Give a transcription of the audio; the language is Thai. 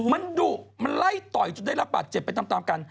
มันดุมันไล่ต่อยจนได้รับบาดเจ็บไปตามกัน